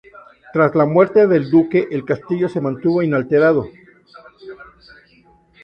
Tras la muerte del duque, el castillo se mantuvo inalterado.